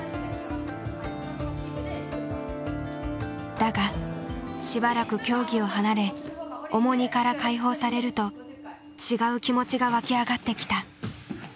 だがしばらく競技を離れ重荷から解放されると違う気持ちが湧き上がってきた。